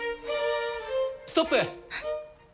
ストップ。